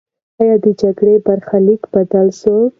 آیا د جګړې برخلیک بدل سو؟